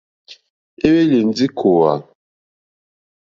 É hwélì ndí kòòhvà.